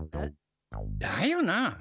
だよな！